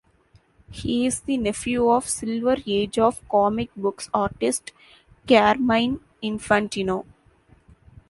He is the nephew of Silver Age of Comic Books artist Carmine Infantino.